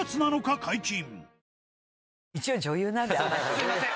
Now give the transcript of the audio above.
すいません。